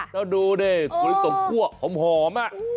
แล้วดูส่งคั่วหอม